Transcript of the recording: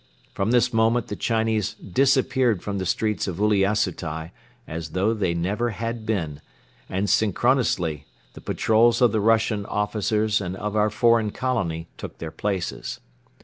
From this moment the Chinese disappeared from the streets of Uliassutai as though they never had been, and synchronously the patrols of the Russian officers and of our foreign colony took their places.